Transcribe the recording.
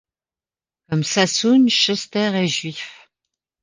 Comme Sassoon, Schuster est juif.